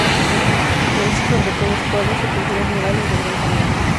Realiza sobre todo cuadros y pinturas murales de gran tamaño.